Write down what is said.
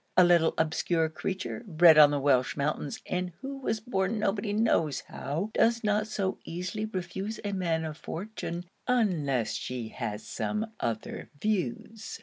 A little obscure creature, bred on the Welch mountains, and who was born nobody knows how, does not so easily refuse a man of fortune unless she has some other views.